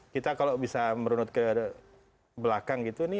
kita kalau bisa merunut ke belakang gitu